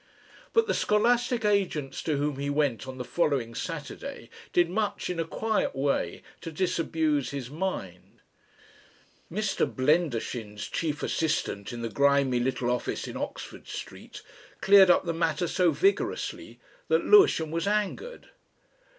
But the scholastic agents to whom he went on the following Saturday did much in a quiet way to disabuse his mind. Mr. Blendershin's chief assistant in the grimy little office in Oxford Street cleared up the matter so vigorously that Lewisham was angered.